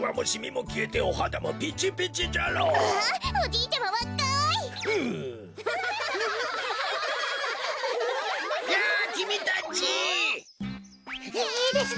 いいですね